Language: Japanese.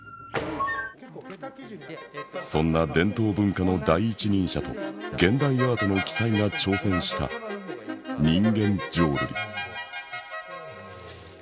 そんな伝統文化の第一人者と現代アートの鬼才が挑戦した人間浄瑠璃。